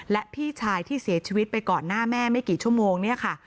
และพี่ชายที่เสียชีวิตไปก่อนหน้าแม่ไม่กี่ชั่วโมงเนี่ยค่ะ